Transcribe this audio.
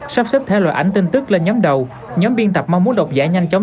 sắp xếp theo loại ảnh tin tức lên nhóm đầu nhóm biên tập mong muốn đọc giải nhanh chóng